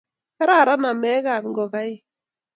kararan namekab ngokaik